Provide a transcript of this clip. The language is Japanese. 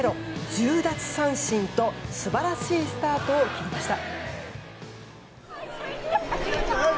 １０奪三振と素晴らしいスタートを切りました。